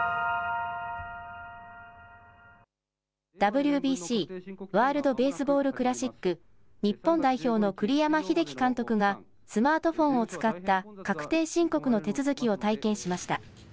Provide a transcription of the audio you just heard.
ＷＢＣ・ワールド・ベースボール・クラシック、日本代表の栗山英樹監督がスマートフォンを使った確定申告の手続きを体験しました。